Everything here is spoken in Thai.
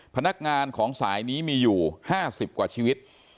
ถ้างานของสายนี้มีอยู่ห้าสิบกว่าชีวิต